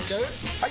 ・はい！